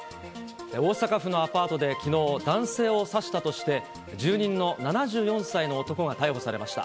大阪府のアパートできのう、男性を刺したとして、住人の７４歳の男が逮捕されました。